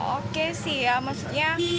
oke sih ya maksudnya